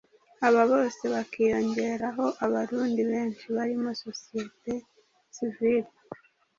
aba bose bakiyongeraho Abarundi benshi barimo sosiyete sivile